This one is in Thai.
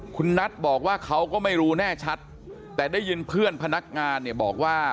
คุณนัทบอกว่าเขาก็ไม่รู้แน่ชัดแต่ได้ยินเพื่อนพนักงานเนี่ยบอกว่า